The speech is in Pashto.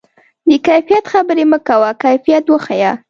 د کیفیت خبرې مه کوه، کیفیت وښیه.